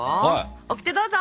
オキテどうぞ！